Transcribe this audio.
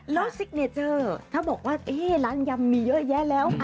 แล้วซิกเนเจอร์ถ้าบอกว่าร้านยำมีเยอะแยะแล้ว